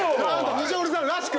西堀さんらしく。